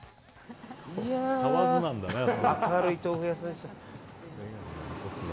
明るい豆腐屋さんでした。